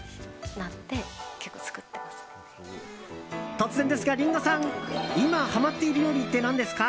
突然ですが、リンゴさん！今、はまっている料理って何ですか？